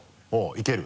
いける？